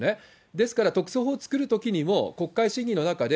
ですから特措法を作るときにも、国会審議の中で、